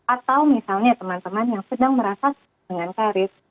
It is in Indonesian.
atau misalnya teman teman yang sedang merasa dengan karir